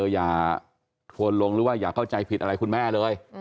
อย่าทวนลงหรือว่าอย่าเข้าใจผิดอะไรคุณแม่เลย